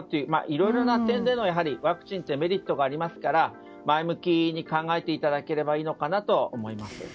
いろいろな点でのワクチンってメリットがありますから前向きに考えていただければいいのかなと思います。